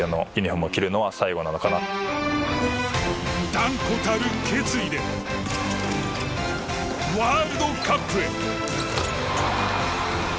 断固たる決意でワールドカップへ。